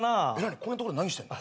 こんなとこで何してんの？